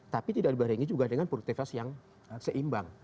tapi tidak dibarengi juga dengan produktivitas yang seimbang